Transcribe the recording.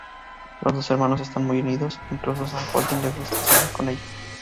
Los dos hermanos están muy unidos, incluso a Holden le gusta salir con ella.